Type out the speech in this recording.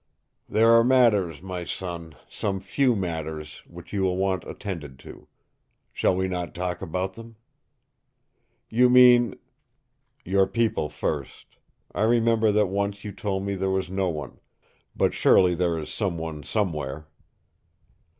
"There are matters, my son some few matters which you will want attended to. Shall we not talk about them?" "You mean " "Your people, first. I remember that once you told me there was no one. But surely there is some one somewhere."